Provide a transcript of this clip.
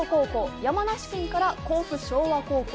山梨県から甲府昭和高校。